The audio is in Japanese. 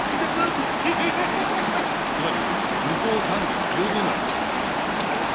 つまり「向こう三軒両隣り」の人たちです。